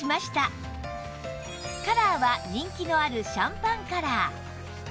カラーは人気のあるシャンパンカラー